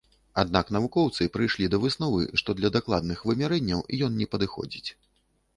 Аднак навукоўцы прыйшлі да высновы, што для дакладных вымярэнняў ён не падыходзіць.